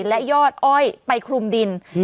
และยอดอ้อยไปคลุมดิน